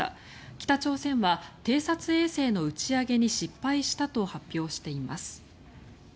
北朝鮮は偵察衛星の打ち上げに失敗したと発表しています。